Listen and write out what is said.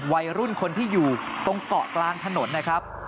วัยรุ่นคนที่อยู่ตรงเกาะกลางถนนนะครับ